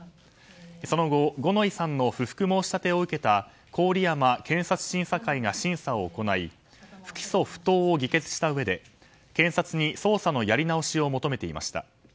その後、五ノ井さんの不服申し立てを受けた郡山検察審査会が審査を行い不起訴不当を議決したうえで検察に捜査のやり直しを求めていました。